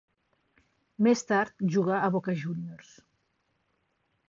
Més tard jugà a Boca Juniors.